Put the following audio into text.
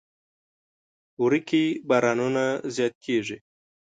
وری کې بارانونه زیات کیږي.